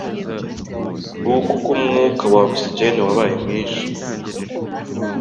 Nguko uko umwuka wa ogisijeni wabaye mwinshi